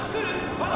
まだ！